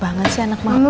baik banget sih anak mama